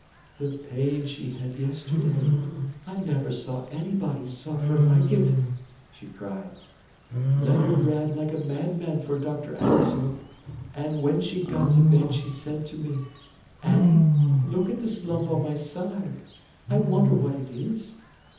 "The pain she had yesterday—I never saw anybody suffer like it!" she cried. "Leonard ran like a madman for Dr. Ansell, and when she'd got to bed she said to me: 'Annie, look at this lump on my side. I wonder what it is?